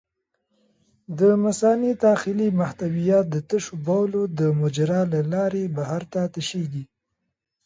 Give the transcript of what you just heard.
د مثانې داخلي محتویات د تشو بولو د مجرا له لارې بهر ته تشېږي.